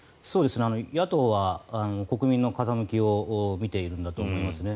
野党は国民の風向きを見ているんだと思いますね。